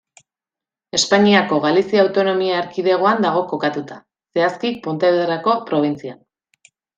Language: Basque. Espainiako, Galizia Autonomia erkidegoan dago kokatuta, zehazki Pontevedrako probintzian.